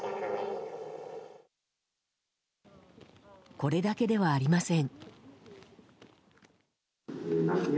これだけではありません。